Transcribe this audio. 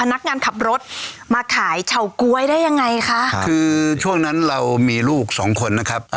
นักงานขับรถมาขายเฉาก๊วยได้ยังไงคะคือช่วงนั้นเรามีลูกสองคนนะครับ